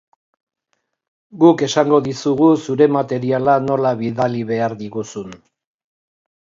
Guk esango dizugu zure materiala nola bidali behar diguzun.